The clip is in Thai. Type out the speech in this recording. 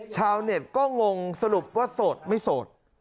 ชาวเน็ตก็งงสรุปว่าโสดไม่โสด